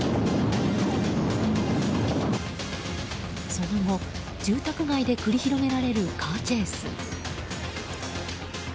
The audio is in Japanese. その後、住宅街で繰り広げられるカーチェイス。